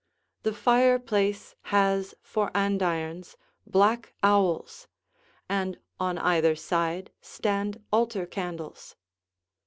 The fireplace has for andirons black owls, and on either side stand altar candles.